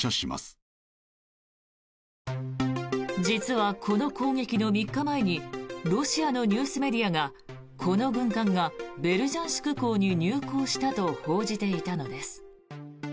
実は、この攻撃の３日前にロシアのニュースメディアがこの軍艦がベルジャンシク港に入港したと報じていたのです。